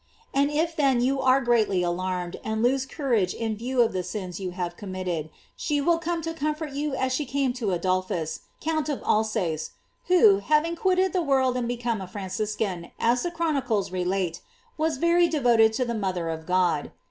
And if then you are greatly alarmed and lose courage in view of the sins you have committed, she will come to comfort you as she came to Adolphus, Count of Alsace, who, having quitted the world and become a Franciscan, as the chron icles relate, was very devoted to the mother of God.